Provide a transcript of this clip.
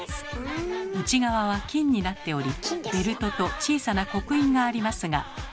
内側は金になっておりベルトと小さな刻印がありますが。